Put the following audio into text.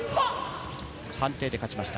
判定で勝ちました。